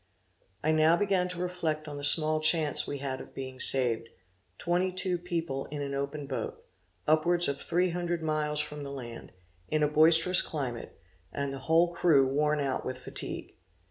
I now began to reflect on the small chance we had of being saved twenty two people in an open boat upwards of three hundred miles from the land in a boisterous climate, and the whole crew worn out with fatigue!